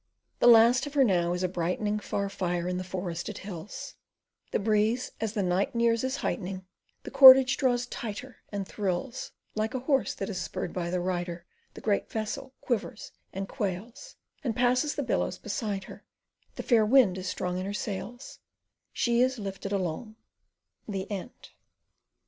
The last of her now is a brightening Far fire in the forested hills, The breeze as the night nears is heightening, The cordage draws tighter and thrills, Like a horse that is spurred by the rider The great vessel quivers and quails, And passes the billows beside her, The fair wind is strong in her sails, She is lifted along. THE END.